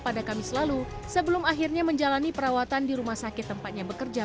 pada kamis lalu sebelum akhirnya menjalani perawatan di rumah sakit tempatnya bekerja